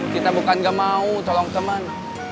kita bukan gak mau tolong teman